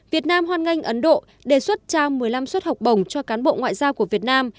việt nam hoan nghênh ấn độ đề xuất trao một mươi năm suất học bổng cho cán bộ ngoại giao của việt nam